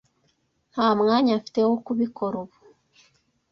Nta mwanya mfite wo kubikora ubu.